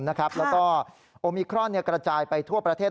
แล้วก็โอมิครอนกระจายไปทั่วประเทศ